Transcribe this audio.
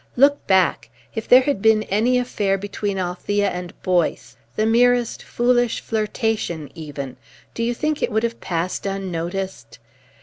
Look back. If there had been any affair between Althea and Boyce, the merest foolish flirtation, even, do you think it would have passed unnoticed?